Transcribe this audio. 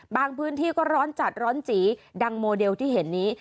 พื้นที่ก็ร้อนจัดร้อนจีดังโมเดลที่เห็นนี้